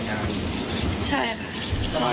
คุยเพื่ออะไรคุยจริงจะแตกงาน